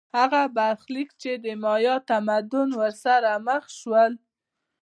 هغه برخلیک چې د مایا تمدن ورسره مخ شول